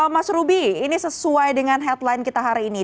mas ruby ini sesuai dengan headline kita hari ini